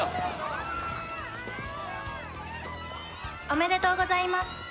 おめでとうございます。